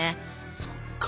そっか。